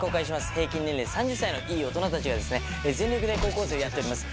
平均年齢３０歳のいい大人たちが全力で高校生をやっております。